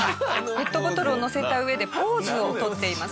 ペットボトルをのせた上でポーズを取っています。